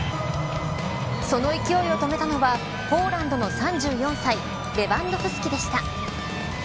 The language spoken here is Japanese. その勢いを止めたのはポーランドの３４歳レヴァンドフスキでした。